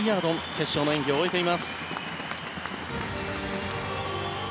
決勝の演技を終えています。